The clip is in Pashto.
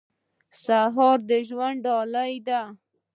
سهار د ژوند ډالۍ ده.